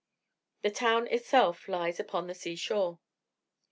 The town itself lies upon the sea shore.